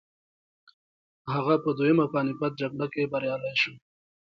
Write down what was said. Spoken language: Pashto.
هغه په دویمه پاني پت جګړه کې بریالی شو.